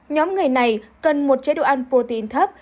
nhóm người này cần một chế độ ăn protein thấp